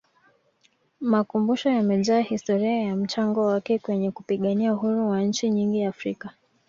makumbusho yamejaa historia ya mchango wake kwenye kupigania Uhuru wa nchi nyingi africa